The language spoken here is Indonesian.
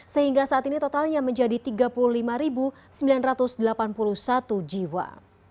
sehingga saat ini totalnya menjadi tiga puluh lima sembilan ratus delapan puluh satu jiwa